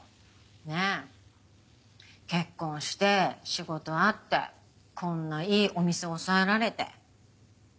ねぇ結婚して仕事あってこんないいお店押さえられて。